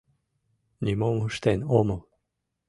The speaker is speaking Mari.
— Нимом ыштен омыл.